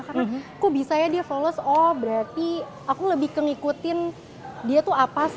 karena kok bisa ya dia flawless oh berarti aku lebih ke ngikutin dia tuh apa sih